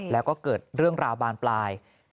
แล้วก็เกิดเรื่องราวบานปลาย